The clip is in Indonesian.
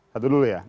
satu dulu ya